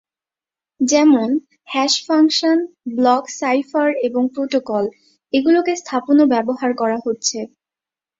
যেমনঃ hash function, block cipher এবং protocol; এগুলোকে স্থাপন ও ব্যবহার করা হচ্ছে।